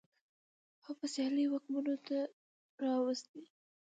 او په سيالۍ واکمنو ته راوستې.